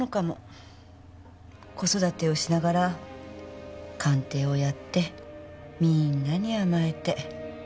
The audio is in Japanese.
子育てをしながら鑑定をやってみんなに甘えて。